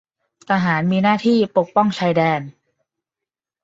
ทหารมีหน้าที่ปกป้องชายแดน